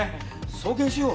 送検しよう。